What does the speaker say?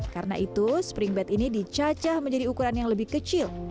karena itu spring bed ini dicacah menjadi ukuran yang lebih kecil